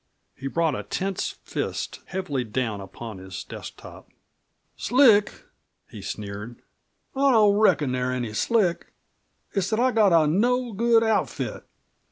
He brought a tense fist heavily down upon his desk top. "Slick!" he sneered. "I don't reckon they're any slick. It's that I've got a no good outfit.